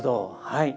はい。